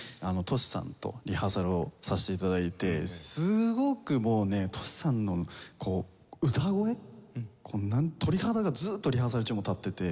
Ｔｏｓｈｌさんとリハーサルをさせて頂いてすごくもうねＴｏｓｈｌさんの歌声鳥肌がずっとリハーサル中も立ってて。